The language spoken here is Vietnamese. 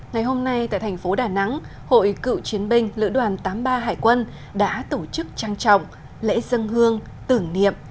ngày hôm nay tại thành phố đà nẵng hội cựu chiến binh lữ đoàn tám mươi ba hải quân đã tổ chức trang trọng lễ dân hương tưởng niệm